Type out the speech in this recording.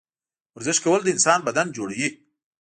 ورزش کول د انسان بدن جوړوي